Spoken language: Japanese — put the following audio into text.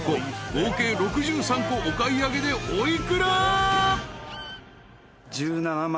合計６３個お買い上げでお幾ら？］